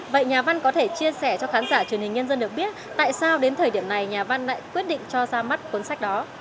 vậy nhà văn có thể chia sẻ cho khán giả truyền hình nhân dân được biết tại sao đến thời điểm này nhà văn lại quyết định cho ra mắt cuốn sách đó